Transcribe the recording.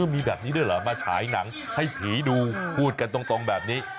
มาฉายหนังให้ผีดูพูดกันตรงแบบนี้